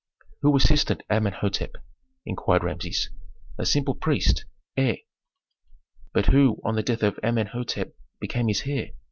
"Who assisted Amenhôtep?" inquired Rameses. "A simple priest, Ey." "But who, on the death of Amenhôtep, became his heir?"